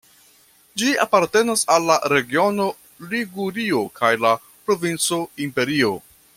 Ĝi apartenas al la regiono Ligurio kaj la provinco Imperio.